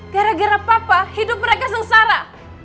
gara gara papa hidup mereka sengsara